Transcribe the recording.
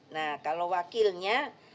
nah kalau wakilnya